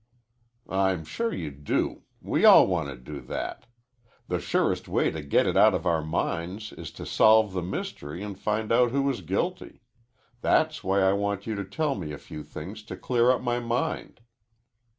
"I'm sure you do. We all want to do that. The surest way to get it out of our minds is to solve the mystery and find out who is guilty. That's why I want you to tell me a few things to clear up my mind."